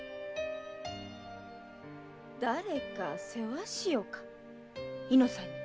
誰か世話しようか猪之さんに。